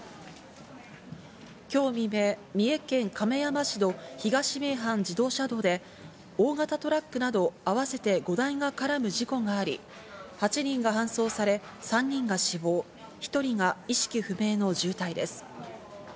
今日未明、三重県亀山市の東名阪自動車道で大型トラックなど合わせて５台が絡む事故があり、８人が搬送され、３人が死亡、１人が意識不明の重体です。